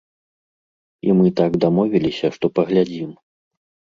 І мы так дамовіліся, што паглядзім.